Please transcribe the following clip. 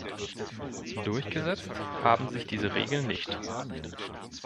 Durchgesetzt haben sich diese Regeln nicht.